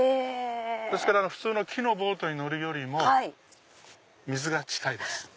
ですから普通の木のボートに乗るよりも水が近いです。